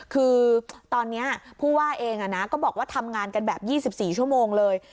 คือตอนนี้ผู้ว่าเองก็บอกว่าทำงานกันแบบ๒๔ชั่วโมงเลย